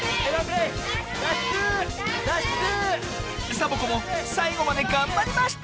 サボ子もさいごまでがんばりました！